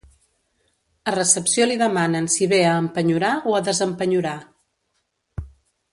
A recepció li demanen si ve a empenyorar o a desempenyorar.